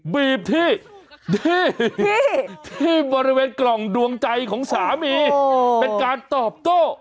บีบที่บริเวณกล่องดวงใจของสามีเป็นการตอบโต้